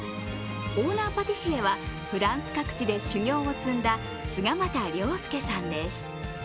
オーナーパティシエはフランス各地で修業を積んだ菅又亮輔さんです。